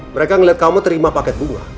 mereka ngeliat kamu terima paket gue